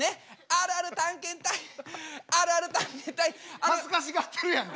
あるある探検隊あるある探検隊恥ずかしがってるやんか。